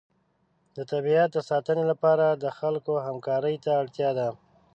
د طبیعت د ساتنې لپاره د خلکو همکارۍ ته اړتیا ده.